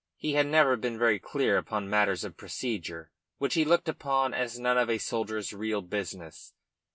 He had never been very clear upon matters of procedure, which he looked upon as none of a soldier's real business.